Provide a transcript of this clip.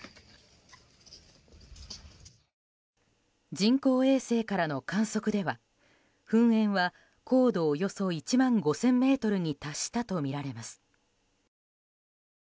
人工衛星からの観測では噴煙は高度およそ１万５０００ｍに達したとみられます。